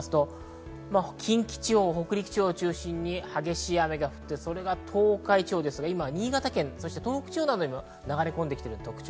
近畿地方、北陸地方を中心に激しい雨が降って、それが東海地方、今は新潟県、東北地方などにも流れ込んできています。